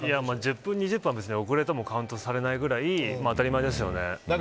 １０分、２０分は遅れてもカウントされないぐらい当たり前ですよね。